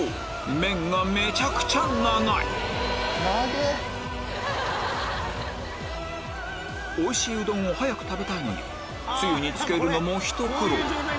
麺がめちゃくちゃ長いおいしいうどんを早く食べたいのにつゆにつけるのもひと苦労